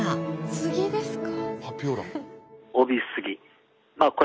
杉ですか？